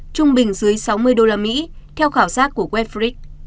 trung bình dưới sáu mươi usd theo khảo sát của wefric